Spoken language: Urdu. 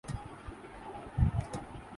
رب روپے سے زائد کی بجلی چوری ہوئی